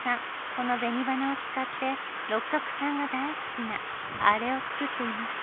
この紅花を使って六角さんが大好きなあれを作っていました。